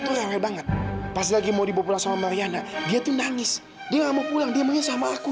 kenapa sih kamu nggak mau ketemu sama aku